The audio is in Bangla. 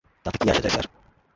তাতে কী আসে যায়, স্যার?